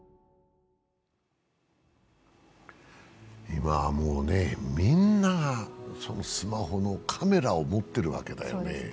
今はもうみんながスマホのカメラを持ってるわけだよね。